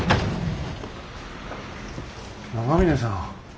長嶺さん。